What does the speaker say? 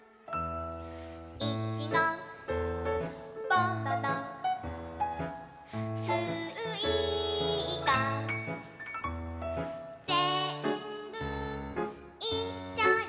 「いちご」「バナナ」「すいか」「ぜんぶいっしょに」